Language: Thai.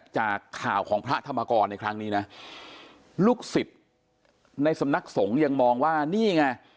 จากข่าวของพระธรรมกรในครั้งนี้นะลูกศิษย์ในสำนักสงฆ์ยังมองว่านี่ไง